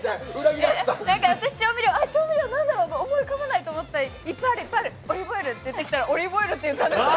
私、調味料、なんだろうと思って思い浮かばないと思ったらいっぱいある、オリーブオイルって言ってたらオリーブオイルって言ったんです。